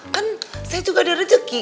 kan saya juga ada rezeki